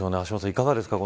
いかがですか。